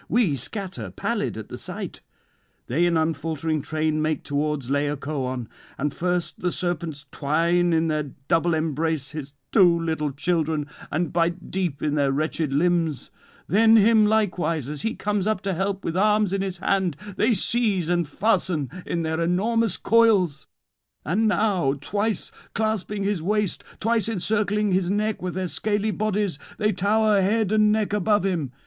We scatter, pallid at the sight. They in unfaltering train make towards Laocoön. And first the serpents twine in their double embrace his two little children, and bite deep in their wretched limbs; then him likewise, as he comes up to help with arms in his hand, they seize and fasten in their enormous coils; and now twice clasping his waist, twice encircling his neck with their scaly bodies, they tower head and neck above him.